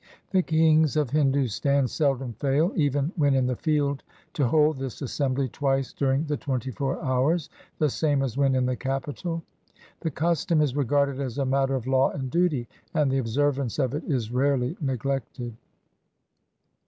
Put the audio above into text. The kings of Hindustan seldom fail, even when in the field, to hold this assembly twice during the twenty four hours, the same as when in the capital. The custom is regarded as a matter of law and duty, and the observance of it is rarely neglected.